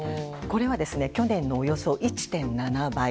これは、去年のおよそ１．７倍。